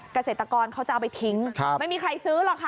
เกษตรกรเขาจะเอาไปทิ้งไม่มีใครซื้อหรอกค่ะ